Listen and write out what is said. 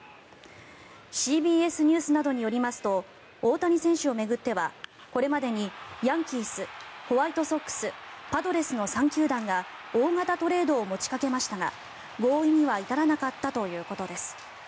ＣＢＳニュースなどによりますと大谷選手を巡ってはこれまでにヤンキースホワイトソックスパドレスの３球団が大型トレードを持ちかけましたが合意には至らなかったということです。